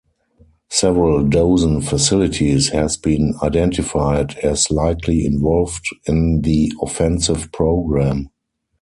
Several dozen facilities has been identified as likely involved in the offensive program.